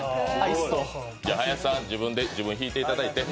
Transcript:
林さんは自分で引いていただいて。